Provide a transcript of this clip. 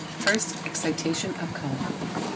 FIRST EXCITATION OF COLOUR. 501.